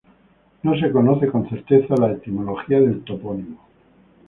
No se conoce con certeza la etimología del topónimo.